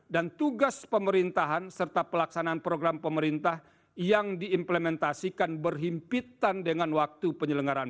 dan tugas pemerintahan serta pelaksanaan program pemerintah yang diimplementasikan berhimpitan dengan waktu penyelenggaraan